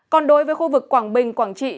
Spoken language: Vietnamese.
còn đối với khu vực quảng bình quảng trị